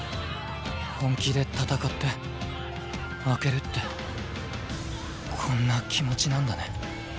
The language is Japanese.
本気で戦って負けるってこんな気持ちなんだね。